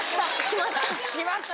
しまった！